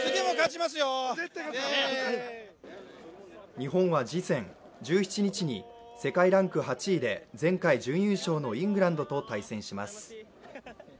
日本は次戦、１７日に世界ランク８位で前回準優勝のイングランドと対戦します。